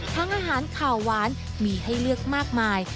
อาหารขาวหวานมีให้เลือกมากมาย